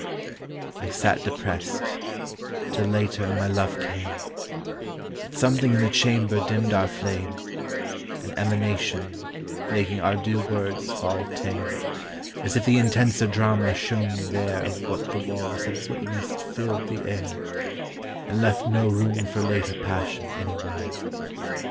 I sat depressed; till, later, My Love came; But something in the chamber Dimmed our flame,— An emanation, making our due words fall tame, As if the intenser drama Shown me there Of what the walls had witnessed Filled the air, And left no room for later passion anywhere.